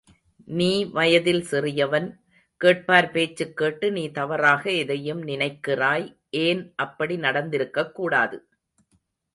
நீ வயதில் சிறியவன், கேட்பார் பேச்சுக் கேட்டு நீ தவறாக எதையும் நினைக்கிறாய் ஏன் அப்படி நடந்திருக்கக் கூடாது?